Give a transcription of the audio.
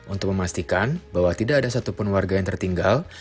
untuk memastikan bahwa tidak ada satu penwarga yang tertinggal